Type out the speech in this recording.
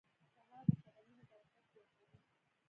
سهار د قدمونو برکت زیاتوي.